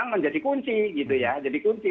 menjadi kunci gitu ya jadi kunci